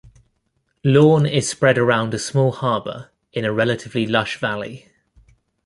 Lawn is spread around a small harbour in a relatively lush valley.